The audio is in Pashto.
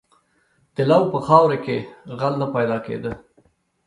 • د لو په خاوره کې غل نه پیدا کېده.